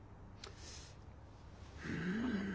うん。